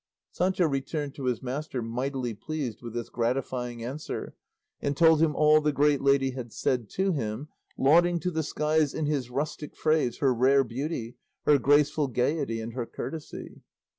Sancho returned to his master mightily pleased with this gratifying answer, and told him all the great lady had said to him, lauding to the skies, in his rustic phrase, her rare beauty, her graceful gaiety, and her courtesy.